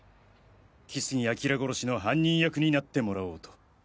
木杉彬殺しの犯人役になってもらおうと。